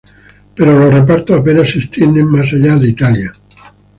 Pero los repartos apenas se extendieron más allá de Italia.